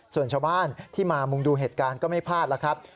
ส่วนชาวบ้านที่มามุงดูเหตุการณ์ก็ไม่พลาดแล้วครับ